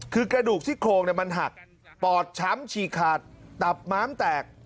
คือกระดูกที่โครงมันหักปอดช้ำฉีกขาดตับม้ามแตก